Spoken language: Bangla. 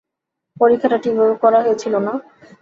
পরীক্ষাটা ঠিকভাবে করা হয়েছিল না।